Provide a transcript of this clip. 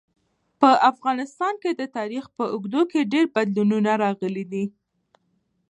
په افغانستان کي د تاریخ په اوږدو کي ډېر بدلونونه راغلي دي.